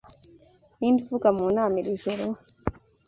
Ninde uvuga mu nama iri joro?